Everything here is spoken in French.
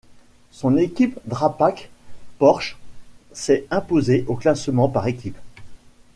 Son équipe Drapac-Porsche s'est imposée au classement par équipes.